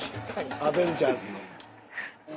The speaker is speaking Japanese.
『アベンジャーズ』の。